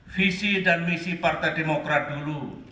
visi dan misi partai demokrat dulu